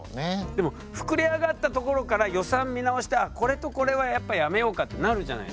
でも膨れ上がった所から予算見直して「あっこれとこれはやっぱやめようか」ってなるじゃないですか。